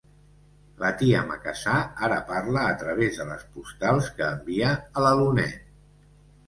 La tia Macassar ara parla a través de les postals que envia a la Loonette.